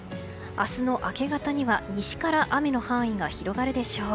明日の明け方には西から雨の範囲が広がるでしょう。